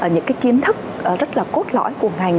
những cái kiến thức rất là cốt lõi của ngành